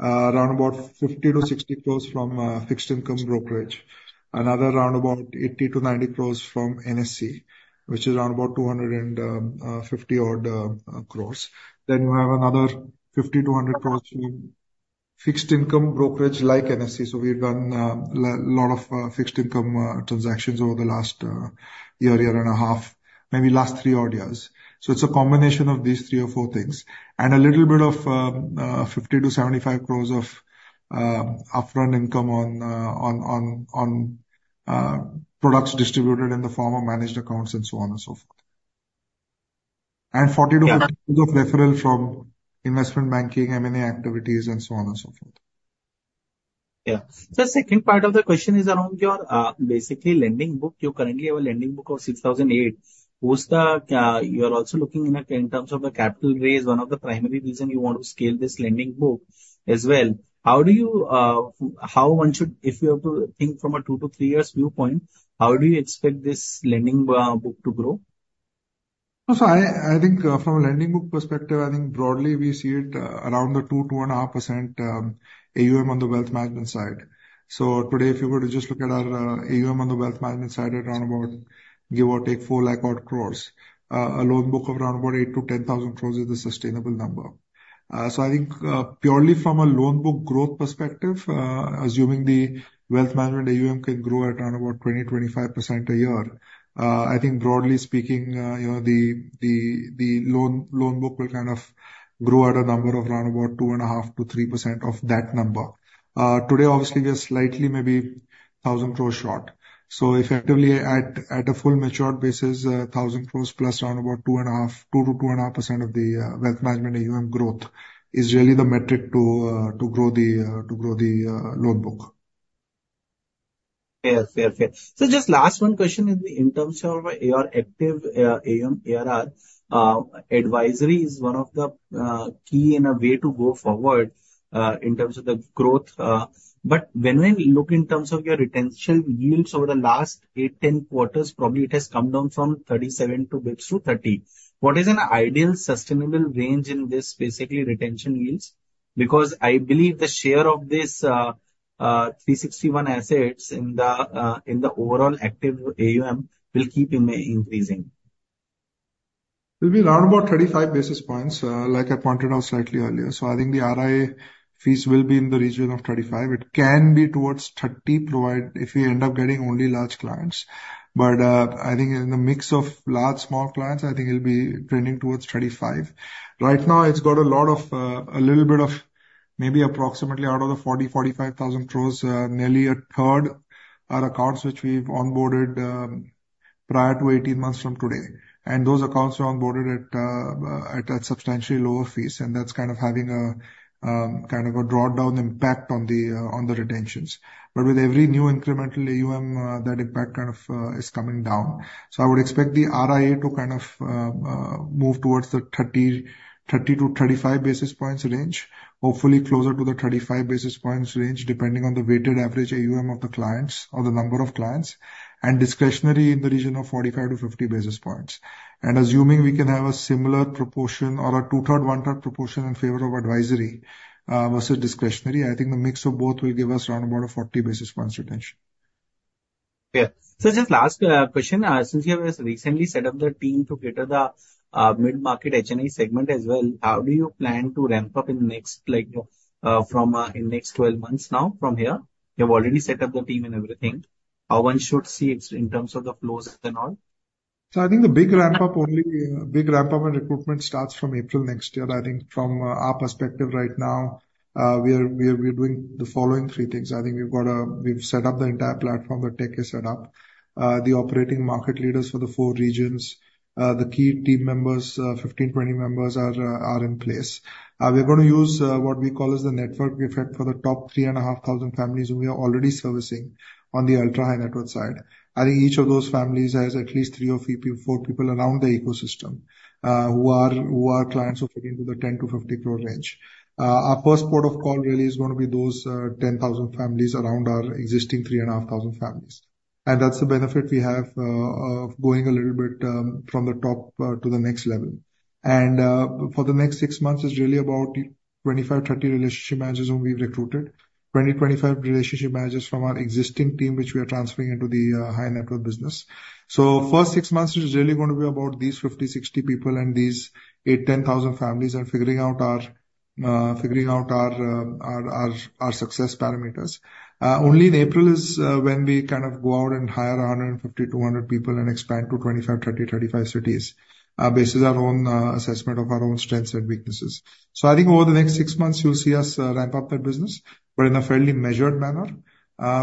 Around about 50 crores -60 crores from fixed income brokerage. Another around about INR 80crores - 90 crores from NSE, which is around about 250-odd crores. Then you have another 50 crores -100 crores in fixed income brokerage like NSC. So we've done a lot of fixed income transactions over the last year and a half, maybe last three odd years. So it's a combination of these three or four things. And a little bit of 50 crores- 75 crores of upfront income on products distributed in the form of managed accounts and so on and so forth. And forty-two- Yeah. referrals from investment banking, M&A activities, and so on and so forth. Yeah. So second part of the question is around your basically lending book. You currently have a lending book of 6,800. What's the, you are also looking in a, in terms of the capital raise, one of the primary reason you want to scale this lending book as well. How do you, how one should—if you have to think from a two to three years viewpoint, how do you expect this lending book to grow? So I think from a lending book perspective, I think broadly we see it around 2%-2.5% AUM on the wealth management side. So today, if you were to just look at our AUM on the wealth management side, at around about give or take 4 lakh-odd crores, a loan book of around about 8,000 crores-10,000 crores is a sustainable number. So I think purely from a loan book growth perspective, assuming the wealth management AUM can grow at around about 20%-25% a year, I think broadly speaking you know the loan book will kind of grow at a number of around about 2.5%-3% of that number. Today, obviously, we are slightly maybe 1,000 crores short. So effectively, at a full matured basis, INR 1,000 crores plus around about 2%-2.5% of the Wealth Management AUM growth is really the metric to grow the loan book. Yes. Fair, fair. So just last one question is in terms of your active AUM, ARR, advisory is one of the key in a way to go forward in terms of the growth. But when we look in terms of your retention yields over the last eight, ten quarters, probably it has come down from 37 basis points to 30 basis points. What is an ideal sustainable range in this, basically retention yields? Because I believe the share of this 360 ONE assets in the overall active AUM will keep increasing. It'll be around about 35 basis points, like I pointed out slightly earlier. So I think the RIA fees will be in the region of 35. It can be towards 30, provided if we end up getting only large clients. But, I think in the mix of large, small clients, I think it'll be trending towards 35. Right now, it's got a lot of, a little bit of maybe approximately out of the 40 thousand crores-45 thousand crores, nearly a third are accounts which we've onboarded, prior to 18 months from today. And those accounts are onboarded at, at substantially lower fees, and that's kind of having a, kind of a drawdown impact on the, on the retentions. But with every new incremental AUM, that impact kind of, is coming down. So I would expect the RIA to kind of move towards the 30-35 basis points range, hopefully closer to the 35 basis points range, depending on the weighted average AUM of the clients or the number of clients, and discretionary in the region of 45-50 basis points. And assuming we can have a similar proportion or a two-thirds, one-third proportion in favor of advisory versus discretionary, I think the mix of both will give us around about a forty basis points retention. Yeah. So just last question. Since you have just recently set up the team to cater to the mid-market HNI segment as well, how do you plan to ramp up in the next, like, in next twelve months now from here? You've already set up the team and everything. How one should see it in terms of the flows and all? I think the big ramp up and recruitment starts from April next year. I think from our perspective right now, we're doing the following three things. I think we've set up the entire platform, the tech is set up. The operating market leaders for the four regions, the key team members, 15-20 members are in place. We're going to use what we call as the network effect for the top 3,500 families who we are already servicing on the ultra-high net worth side. I think each of those families has at least three or four people around the ecosystem who are clients who fit into the 10 crore-50 crore range. Our first port of call really is going to be those 10,000 families around our existing 3,500 families, and that's the benefit we have of going a little bit from the top to the next level, and for the next six months, it's really about 25-30 relationship managers whom we've recruited, 20-25 relationship managers from our existing team, which we are transferring into the high net worth business, so first six months is really going to be about these 50-60 people and these 8,000-10,000 families and figuring out our success parameters. Only in April is when we kind of go out and hire 150 to 200 people and expand to 25, 30, 35 cities, based on our own assessment of our own strengths and weaknesses. So I think over the next six months, you'll see us ramp up that business, but in a fairly measured manner,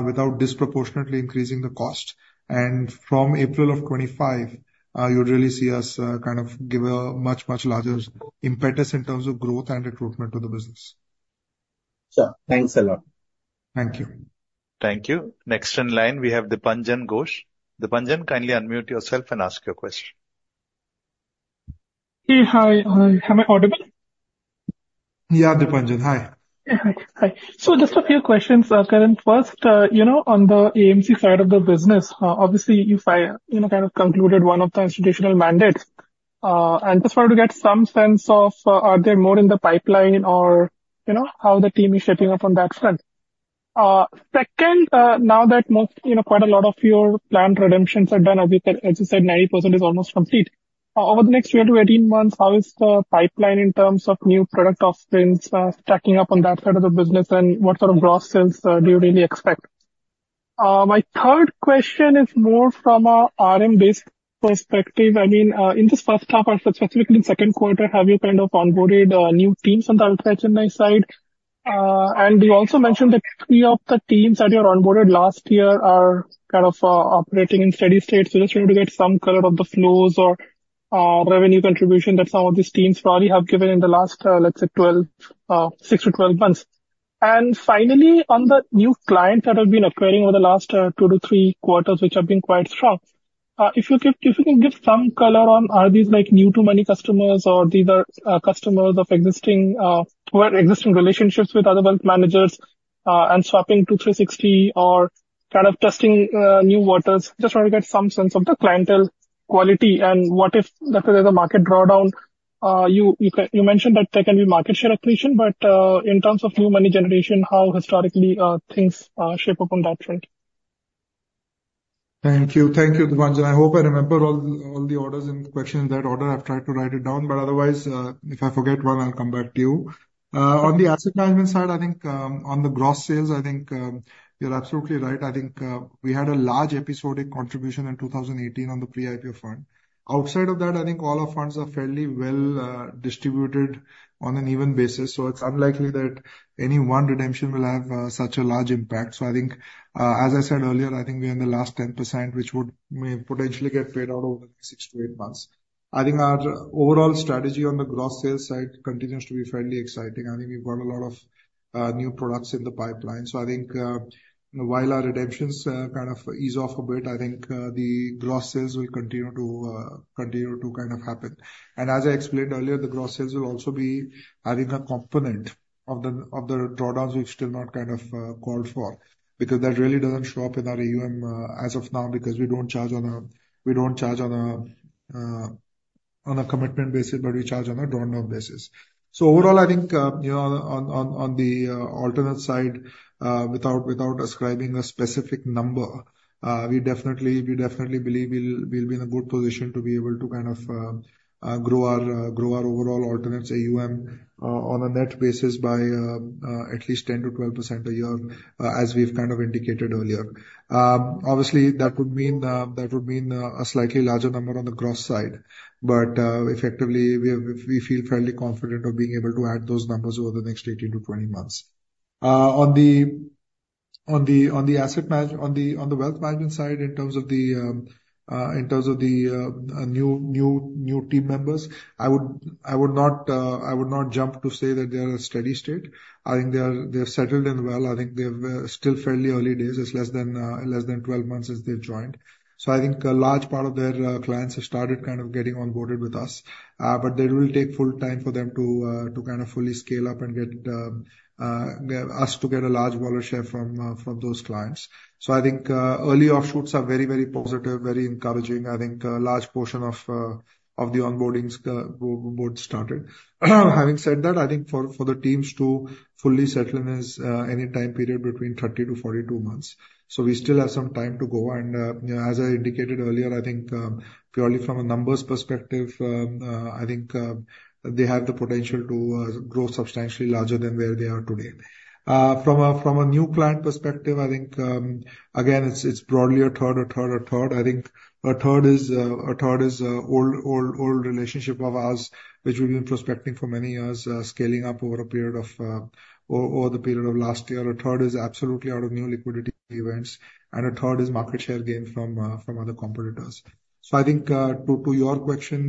without disproportionately increasing the cost. And from April of 2025, you'll really see us kind of give a much, much larger impetus in terms of growth and recruitment to the business. Sure. Thanks a lot. Thank you. Thank you. Next in line, we have Dipanjan Ghosh. Dipanjan, kindly unmute yourself and ask your question. Hey, hi. Hi, am I audible? Yeah, Dipanjan, hi. Yeah. Hi. So just a few questions, Karan. First, you know, on the AMC side of the business, obviously, you've, you know, kind of concluded one of the institutional mandates, and just wanted to get some sense of, are there more in the pipeline or, you know, how the team is shaping up on that front?... Second, now that most, you know, quite a lot of your planned redemptions are done, as you said, 90% is almost complete. Over the next year to 18 months, how is the pipeline in terms of new product offerings, stacking up on that side of the business? And what sort of gross sales do you really expect? My third question is more from a RM-based perspective. I mean, in this first half, and specifically in the second quarter, have you kind of onboarded new teams on the ultra-high net worth side? And you also mentioned that three of the teams that you onboarded last year are kind of operating in steady state. So just want to get some color on the flows or revenue contribution that some of these teams probably have given in the last, let's say, six to twelve months. And finally, on the new clients that have been acquiring over the last two to three quarters, which have been quite strong, if you could give some color on are these like new to money customers or these are customers of existing who had existing relationships with other wealth managers and swapping to 360 or kind of testing new waters? Just want to get some sense of the clientele quality and what if there is a market drawdown, you mentioned that there can be market share accretion, but in terms of new money generation, how historically things shape up on that front? Thank you. Thank you, Dipanjan. I hope I remember all the orders in the question in that order. I've tried to write it down, but otherwise, if I forget one, I'll come back to you. On the asset management side, I think, on the gross sales, I think, you're absolutely right. I think, we had a large episodic contribution in two thousand and eighteen on the pre-IPO front. Outside of that, I think all our funds are fairly well, distributed on an even basis, so it's unlikely that any one redemption will have, such a large impact. So I think, as I said earlier, I think we're in the last 10%, which would may potentially get paid out over the next six to eight months. I think our overall strategy on the gross sales side continues to be fairly exciting. I think we've got a lot of new products in the pipeline, so I think while our redemptions kind of ease off a bit, I think the gross sales will continue to continue to kind of happen. And as I explained earlier, the gross sales will also be having a component of the drawdowns, which still not kind of called for, because that really doesn't show up in our AUM as of now, because we don't charge on a commitment basis, but we charge on a drawn down basis. So overall, I think, you know, on the alternate side, without ascribing a specific number, we definitely believe we'll be in a good position to be able to kind of grow our overall alternates AUM on a net basis by at least 10%-12% a year, as we've kind of indicated earlier. Obviously, that would mean a slightly larger number on the gross side, but effectively, we feel fairly confident of being able to add those numbers over the next 18-20 months. On the wealth management side, in terms of the new team members, I would not jump to say that they are in a steady state. I think they are settled in well. I think it's still fairly early days. It's less than twelve months since they've joined. So I think a large part of their clients have started kind of getting onboarded with us, but they will take full time for them to kind of fully scale up and for us to get a large wallet share from those clients. So I think early offshoots are very positive, very encouraging. I think a large portion of the onboardings started. Having said that, I think for the teams to fully settle in is any time period between 30 to 42 months. So we still have some time to go. And as I indicated earlier, I think purely from a numbers perspective, I think they have the potential to grow substantially larger than where they are today. From a new client perspective, I think again, it's broadly a third, a third, a third. I think a third is old relationship of ours, which we've been prospecting for many years, scaling up over the period of last year. A third is absolutely out of new liquidity events, and a third is market share gain from other competitors. So I think, to your question,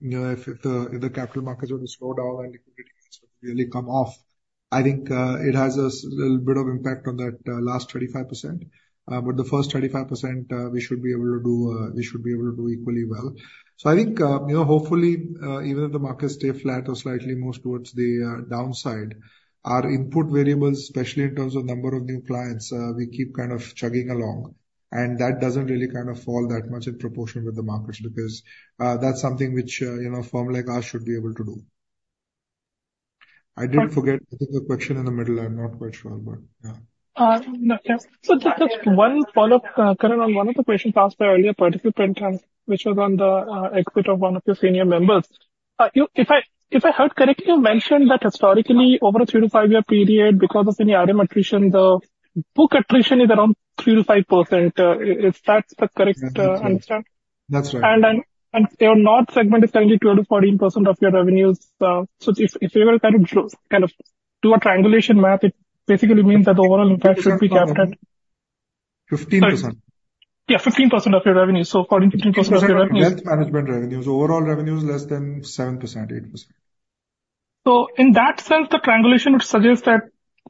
you know, if the capital markets were to slow down and liquidity has really come off, I think it has a little bit of impact on that last 35%. But the first 35%, we should be able to do equally well. So I think, you know, hopefully, even if the markets stay flat or slightly more towards the downside, our input variables, especially in terms of number of new clients, we keep kind of chugging along, and that doesn't really kind of fall that much in proportion with the market share, because, that's something which, you know, a firm like ours should be able to do. I did forget, I think, the question in the middle. I'm not quite sure, but... No. So just one follow-up, Karan, on one of the questions asked earlier, participant, which was on the exit of one of your senior members. You, if I, if I heard correctly, you mentioned that historically, over a three-to-five year period, because of any RM attrition, the book attrition is around 3%-5%. If that's the correct understanding? That's right. Your North segment is currently 12%-14% of your revenues. So if you were to kind of do a triangulation math, it basically means that the overall impact should be capped at- Fifteen percent. Yeah, 15% of your revenue. So according to... Wealth Management revenues. Overall revenue is less than 7%-8%. In that sense, the triangulation would suggest that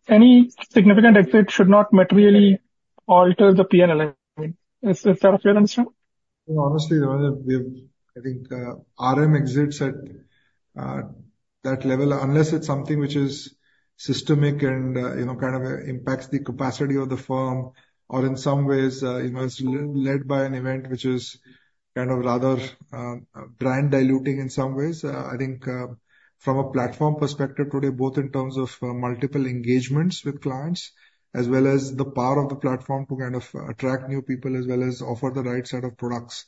any significant exit should not materially alter the PNL. Is that a fair understanding? Honestly, Dipanjan, we have, I think, RM exits at that level, unless it's something which is systemic and, you know, kind of impacts the capacity of the firm, or in some ways, you know, it's led by an event which is kind of rather brand diluting in some ways. I think, from a platform perspective today, both in terms of multiple engagements with clients, as well as the power of the platform to kind of attract new people, as well as offer the right set of products,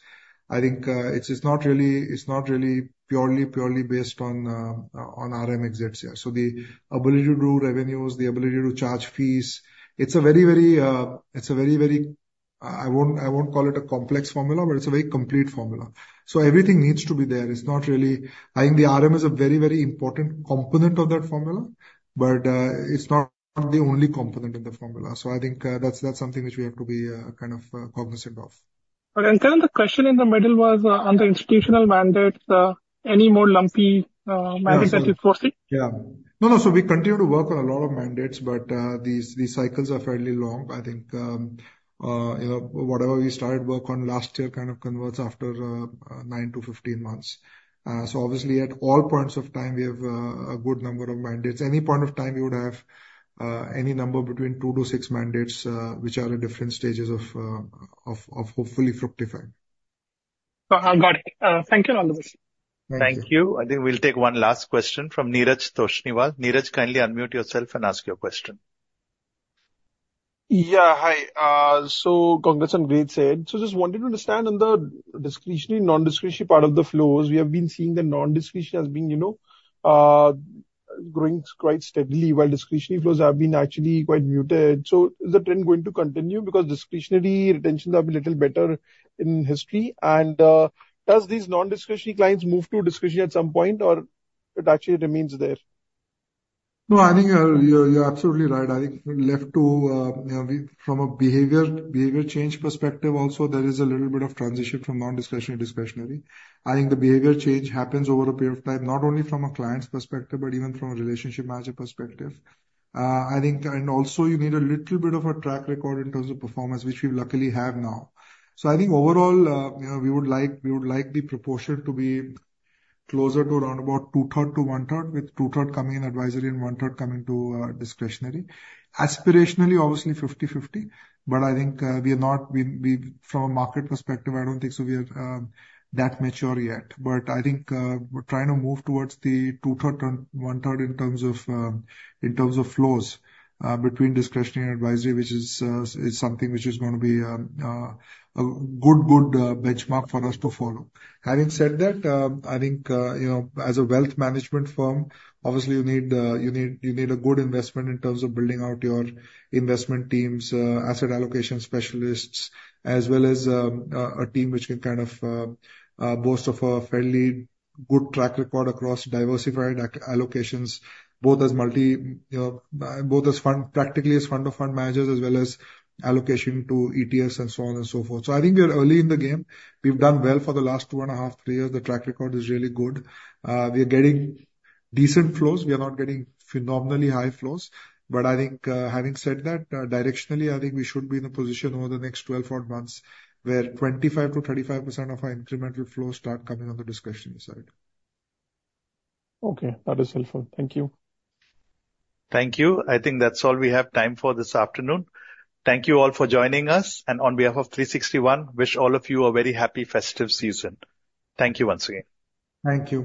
I think, it's not really purely based on RM exits, yeah. So the ability to do revenues, the ability to charge fees, it's a very, very, it's a very, very. I won't call it a complex formula, but it's a very complete formula. Everything needs to be there. It's not really. I think the RM is a very, very important component of that formula, but it's not the only component in the formula. I think that's something which we have to be kind of cognizant of. But then, sir, the question in the middle was on the institutional mandates, any more lumpy mandates that you foresee? Yeah. No, no, so we continue to work on a lot of mandates, but these cycles are fairly long. I think you know, whatever we started work on last year kind of converts after nine to 15 months. So obviously, at all points of time, we have a good number of mandates. Any point of time, we would have any number between 2 to 6 mandates, which are in different stages of hopefully fructifying. So I've got it. Thank you, Anandresh. Thank you. Thank you. I think we'll take one last question from Neeraj Toshniwal. Neeraj, kindly unmute yourself and ask your question. Yeah, hi. So congrats on great set. So just wanted to understand on the discretionary, non-discretionary part of the flows, we have been seeing the non-discretionary has been, you know, growing quite steadily, while discretionary flows have been actually quite muted. So is the trend going to continue? Because discretionary retentions are a little better in history. And, does these non-discretionary clients move to discretionary at some point, or it actually remains there? No, I think you're absolutely right. I think left to you know we from a behavior change perspective also, there is a little bit of transition from non-discretionary to discretionary. I think the behavior change happens over a period of time, not only from a client's perspective, but even from a relationship manager perspective. I think, and also, you need a little bit of a track record in terms of performance, which we luckily have now. So I think overall, you know, we would like the proportion to be closer to around about two-thirds to one-third, with two-thirds coming in advisory and one-third coming to discretionary. Aspirationally, obviously, fifty-fifty, but I think we are not. We, we, from a market perspective, I don't think so we are that mature yet. But I think, we're trying to move towards the two-third and one-third in terms of, in terms of flows, between discretionary and advisory, which is something which is gonna be a good benchmark for us to follow. Having said that, I think, you know, as a wealth management firm, obviously, you need a good investment in terms of building out your investment teams, asset allocation specialists, as well as a team which can kind of boast of a fairly good track record across diversified allocations, both as multi, you know, both as fund, practically as fund of fund managers, as well as allocation to ETFs, and so on and so forth. So I think we are early in the game. We've done well for the last two and a half, three years. The track record is really good. We are getting decent flows. We are not getting phenomenally high flows. But I think, having said that, directionally, I think we should be in a position over the next twelve or months, where 25%-35% of our incremental flows start coming on the discretionary side. Okay, that is helpful. Thank you. Thank you. I think that's all we have time for this afternoon. Thank you all for joining us, and on behalf of 360 ONE WAM, wish all of you a very happy festive season. Thank you once again. Thank you.